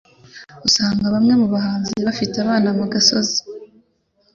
usanga bamwe mu bahanzi bafite abana mu gasozi